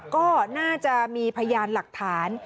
ก็น่าจะมีพยานหลักฐาน